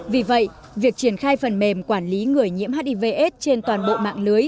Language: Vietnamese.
vì vậy việc triển khai phần mềm quản lý người nhiễm hiv aids trên toàn bộ mạng lưới